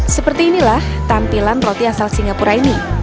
seperti inilah tampilan roti asal singapura ini